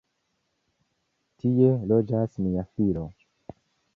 Tie loĝas mia filo.